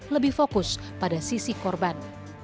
lebih fokus pada sisi korban